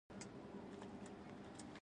یوې پراخې څېړنې د دغې کورنۍ د غړو شمېر وښود.